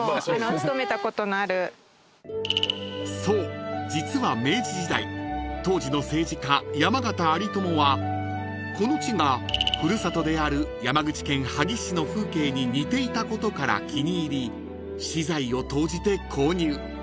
［そう実は明治時代当時の政治家山縣有朋はこの地が古里である山口県萩市の風景に似ていたことから気に入り私財を投じて購入］